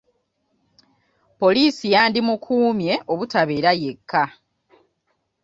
Poliisi yandi mukumye obutabeera yekka.